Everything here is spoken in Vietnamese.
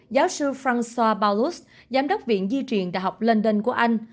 giáo sư francois paulus giám đốc viện di truyền đại học london của anh